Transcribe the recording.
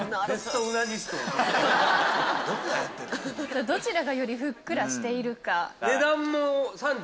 どちらがよりふっくらしているか。